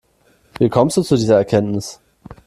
Wie kommst du zu dieser Erkenntnis?